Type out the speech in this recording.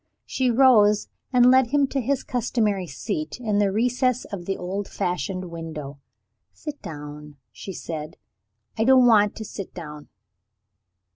She rose, and led him to his customary seat in the recess of the old fashioned window. "Sit down," she said. "I don't want to sit down."